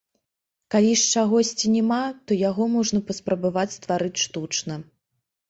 Калі ж чагосьці няма, то яго можна паспрабаваць стварыць штучна.